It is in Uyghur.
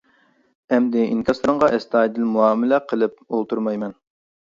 ئەمدى ئىنكاسلىرىڭغا ئەستايىدىل مۇئامىلە قىلىپ ئولتۇرمايمەن.